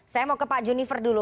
saya mau ke pak junifer dulu